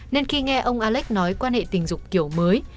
nên khi nghe ông alex nói quan hệ tình dục kiểu mới